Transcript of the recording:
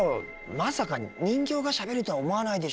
まさか人形がしゃべるとは思わないでしょ。